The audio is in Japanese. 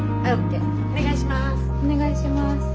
お願いします。